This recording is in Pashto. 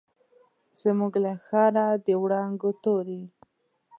زموږ له ښاره، د وړانګو توري